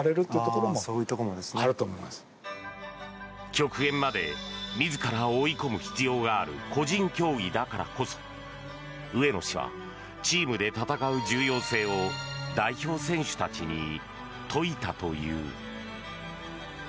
極限まで自らを追い込む必要がある個人競技だからこそ上野氏はチームで戦う重要性を代表選手たちに説いたという。